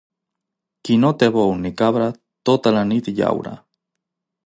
Qui no té bou ni cabra, tota la nit llaura.